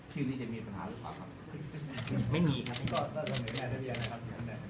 ชื่อนี้จะมีปัญหาหรือครับ